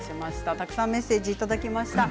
たくさんメッセージいただきました。